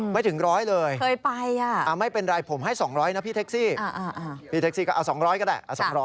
ไม่ถึง๑๐๐เลยไม่เป็นไรผมให้๒๐๐นะพี่เท็กซี่เอา๒๐๐ก็ได้